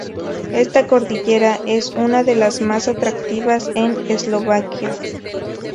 Esta cordillera es una de las más atractivas en Eslovaquia.